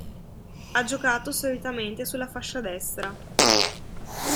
Ha giocato, solitamente, sulla fascia destra.